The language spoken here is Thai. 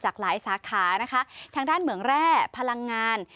หลายสาขานะคะทางด้านเหมืองแร่พลังงาน